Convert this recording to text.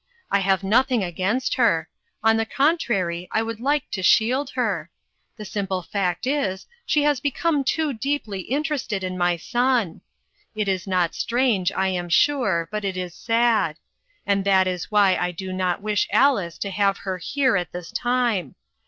I have nothing against her ; on the contrary, I would like to shield her. The simple fact is that she has become too deeply in terested in my son. It is not strange, I am 404 INTERRUPTED. sure, but it is sad ; and that is why I do not wish Alice to have her here at this time.